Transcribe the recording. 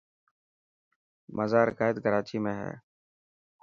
مزار قائد ڪراچي ۾ هي.